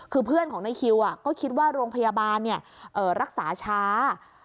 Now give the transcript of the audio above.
คือเพื่อนของในคิวก็คิดว่าโรงพยาบาลรักษาช้า